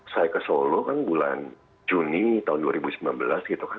saya ke solo kan bulan juni tahun dua ribu sembilan belas gitu kan